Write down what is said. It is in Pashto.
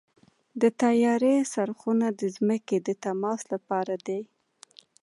د طیارې څرخونه د ځمکې د تماس لپاره دي.